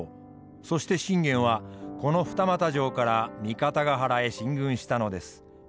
そして信玄はこの二俣城から三方ヶ原へ進軍したのです。